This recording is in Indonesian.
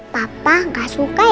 papa gak suka ya sama bayi